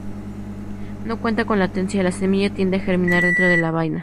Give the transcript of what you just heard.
No cuenta con latencia, la semilla tiende a germinar dentro de la vaina.